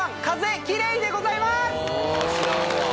あ知らんわ。